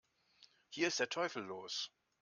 Hier ist der Teufel los!